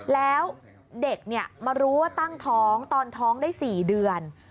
แล้วเด็กมารู้ว่าตั้งท้องตอนท้องได้๔เดือน